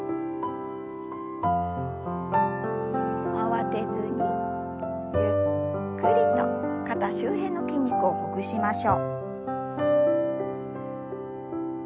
慌てずにゆっくりと肩周辺の筋肉をほぐしましょう。